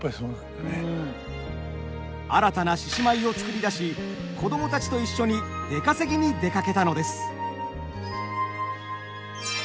新たな獅子舞を作り出し子どもたちと一緒に出稼ぎに出かけたのです。